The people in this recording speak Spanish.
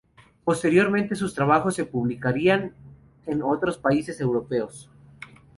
Posteriormente sus trabajos se publicarían en otros países europeos.